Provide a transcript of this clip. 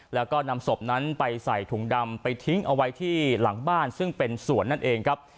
แล้วก็นำศพนั้นไปใส่ถุงดำไปทิ้งเอาไว้ที่หลังบ้านซึ่งเป็นสวนนั่นเองครับ